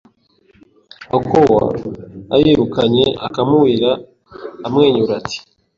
A akowa ayirukanye akamuwira amwenyura ati: